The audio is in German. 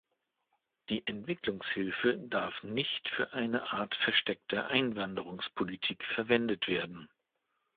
Die Entwicklungshilfe darf nicht für eine Art versteckter Einwanderungspolitik verwendet werden.